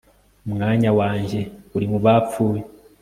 umwanya wanjye uri mu bapfuye